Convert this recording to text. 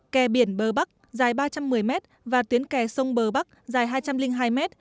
kè biển bờ bắc dài ba trăm một mươi mét và tuyến kè sông bờ bắc dài hai trăm linh hai m